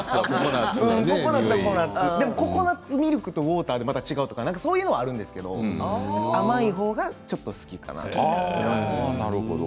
でもココナツミルクとウォーターと違うとかそういうのはあるんですけど甘い方がちょっと好きかな。